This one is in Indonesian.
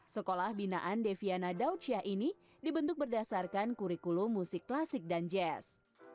sekolah binaan deviana daudsyah ini dibentuk berdasarkan kurikulum musik klasik dan jazz